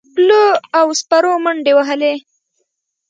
پلو او سپرو منډې وهلې.